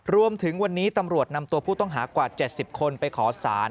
รวมถึงวันนี้ตำรวจนำตัวผู้ต้องหากว่า๗๐คนไปขอสาร